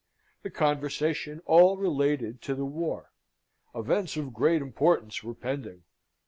The conversation all related to the war. Events of great importance were pending.